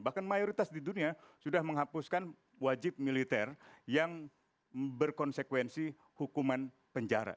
bahkan mayoritas di dunia sudah menghapuskan wajib militer yang berkonsekuensi hukuman penjara